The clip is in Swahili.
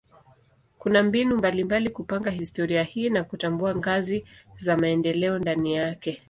Kuna mbinu mbalimbali kupanga historia hii na kutambua ngazi za maendeleo ndani yake.